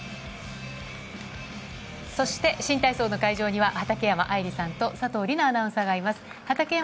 そして新体操の会場には畠山愛理さんと佐藤梨那アナウンサーがいます。